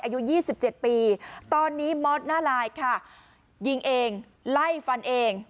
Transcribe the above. อายุ๒๗ปีตอนนี้มอสหน้าลายค่ะยิงเองไล่ฟันเอง